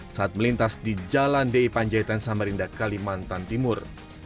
saat melintas di jalan di panjaitan samarinda kalimantan timur